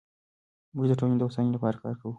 موږ د ټولنې د هوساینې لپاره کار کوو.